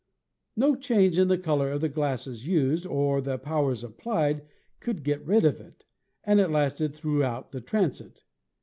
"No change in the color of the glasses used, or the pow ers applied, could get rid of it, and it lasted throughout the transit.